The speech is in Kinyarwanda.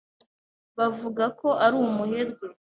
Bavuga ko ari umuherwe.